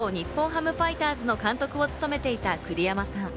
２０１２年、北海道日本ハムファイターズの監督を務めていた栗山さん。